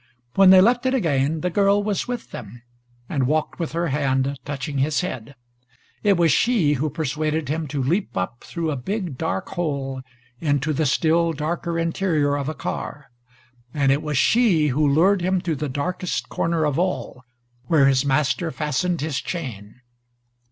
When they left it again, the girl was with them and walked with her hand touching his head. It was she who persuaded him to leap up through a big dark hole into the still darker interior of a car, and it was she who lured him to the darkest corner of all, where his master fastened his chain.